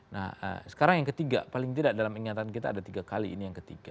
nah sekarang yang ketiga paling tidak dalam ingatan kita ada tiga kali ini yang ketiga